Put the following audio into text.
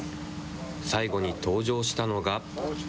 最後に登場したのが。